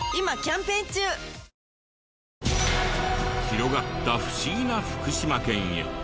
広がった不思議な福島県へ。